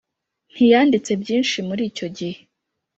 Ntiyanditse byinshi muri icyo gihe